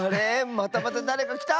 またまただれかきた！